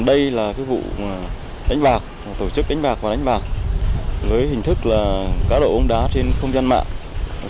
đây là vụ đánh bạc tổ chức đánh bạc và đánh bạc dưới hình thức là cá độ bóng đá trên không gian mạng